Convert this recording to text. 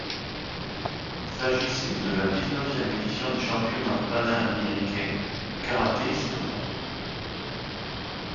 Il s'agissait de la dix-neuvième édition des championnats panaméricains de karaté seniors.